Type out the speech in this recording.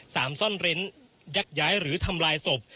ซ่อนเร้นยักย้ายหรือทำลายศพ